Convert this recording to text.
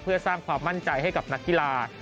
เพื่อสร้างความมั่นใจให้กับนักกีฬา